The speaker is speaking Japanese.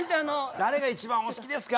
誰が一番お好きですか？